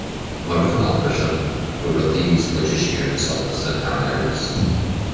Murach an obair sin bheadh rudaí níos faide siar go suntasach gan amhras